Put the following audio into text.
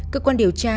cơ quan điều tra